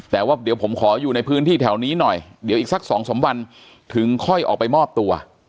แต่ว่าเดี๋ยวผมขออยู่ในพื้นที่แถวนี้หน่อยเดี๋ยวอีกสักสองสามวันถึงค่อยออกไปมอบตัว